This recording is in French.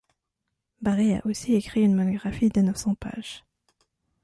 Bari a aussi écrit une monographie de neuf cents pages.